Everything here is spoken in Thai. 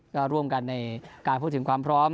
ก็ร่วมกันในการพูดถึงความพร้อม